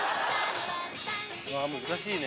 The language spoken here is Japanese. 難しいね。